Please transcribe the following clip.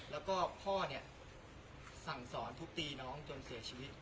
แล้วก็พ่อเนี่ยสั่งสอนทุบตีน้องจนเสียชีวิต